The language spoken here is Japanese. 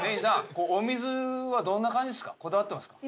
ここお水はどんな感じですか？